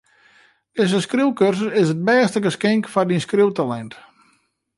Dizze skriuwkursus is it bêste geskink foar dyn skriuwtalint.